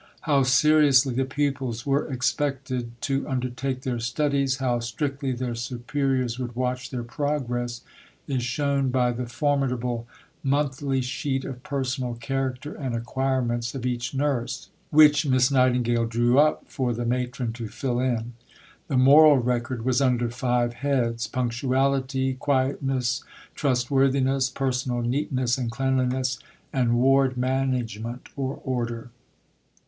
How seriously the pupils were expected to undertake their studies, how strictly their superiors would watch their progress, is shown by the formidable "Monthly Sheet of Personal Character and Acquirements of each Nurse" which Miss Nightingale drew up for the Matron to fill in. The Moral Record was under five heads: punctuality, quietness, trustworthiness, personal neatness and cleanliness, and ward management (or order).